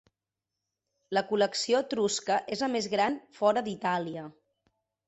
La col·lecció etrusca és la més gran fora d'Itàlia.